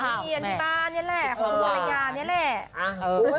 ติดทุเรียนที่บ้านเนี่ยแหละทุเรียนที่บ้าน